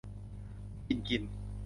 กินกิน